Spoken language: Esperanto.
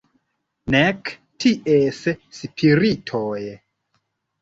Nek ties spiritoj.